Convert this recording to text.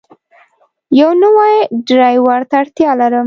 یو نوی ډرایور ته اړتیا لرم.